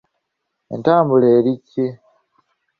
Entambula eri ki?